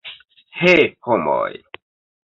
He, homoj!